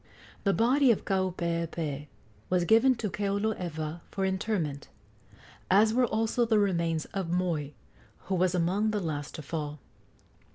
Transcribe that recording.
The body of Kaupeepee was given to Keoloewa for interment, as were also the remains of Moi, who was among the last to fall.